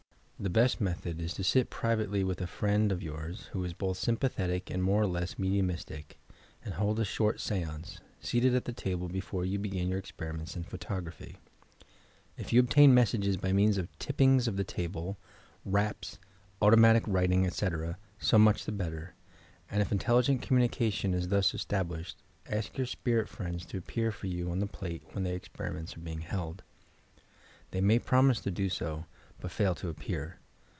The best method is to sit privately with a friend of yours, who is both sympathetic and more or less medium istic, and hold a short seance, seated at the table, before you begin your experiments in photography. If yott ob tain messages by means of tippings of the table, raps, automatic writing, etc., so much the better, and if intel ligent communication is thus established, ask your spirit friends to appear for you on the plate when the experi ments are being held. They may promise to do so, but fail to appear.